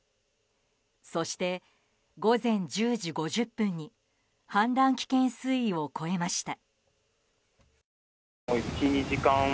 そして、午前１０時５０分に氾濫危険水位を超えました。